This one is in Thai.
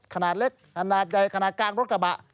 ขนาดเล็กขนาดใหญ่ขนาดกลางรถกระบะ